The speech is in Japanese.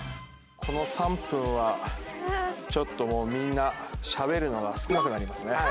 この３分はちょっともうみんなしゃべるのが少なくなりますね。